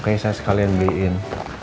makanya saya sekalian beliin